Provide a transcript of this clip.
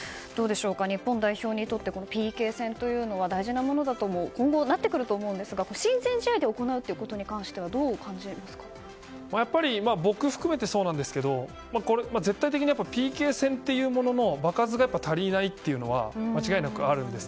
日本代表にとってＰＫ戦というのは大事なものに今後なってくると思いますが親善試合で行うことについては僕を含めてそうですけど絶対的にＰＫ戦というものの場数が足りないというのは間違いなくあると思います。